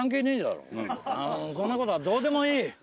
ああもうそんなことはどうでもいい。